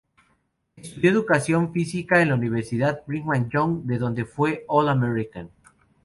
Estudió educación física en la Universidad Brigham Young, donde fue All-American.